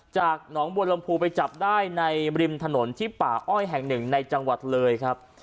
จากหนองบัวลำพูไปจับได้ในริมถนนที่ป่าอ้อยแห่งหนึ่งในจังหวัดเลยครับ